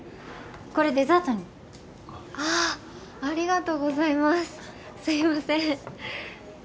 これデザートにああありがとうございますすいません